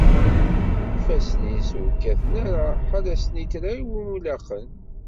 Ifassen-is ur kkaten ara ḥala snitra iwumi laqen.